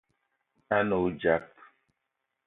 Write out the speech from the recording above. A ne odzap